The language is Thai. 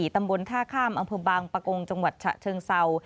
ตำบลท่าข้ามอำเภอบางปะกงจังหวัดฉะเชิงเศร้า